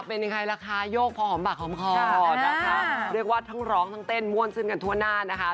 เป็นยังไงล่ะคะโยกพอหอมปากหอมคอนะคะเรียกว่าทั้งร้องทั้งเต้นม่วนซื่นกันทั่วหน้านะคะ